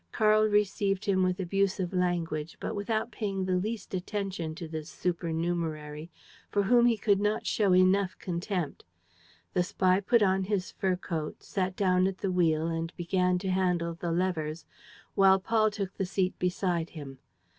Karl received him with abusive language, but without paying the least attention to this supernumerary for whom he could not show enough contempt. The spy put on his fur coat, sat down at the wheel and began to handle the levers while Paul took his seat beside him.